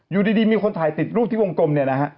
อยู่ดีมีคนถ่ายติดรูปที่วงกลม